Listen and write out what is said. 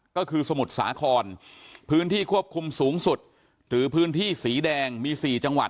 ก็คือสมุทรสาครพื้นที่ควบคุมสูงสุดหรือพื้นที่สีแดงมี๔จังหวัด